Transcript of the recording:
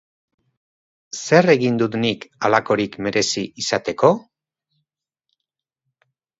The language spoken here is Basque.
Zer egin dut nik halakorik merezi izateko?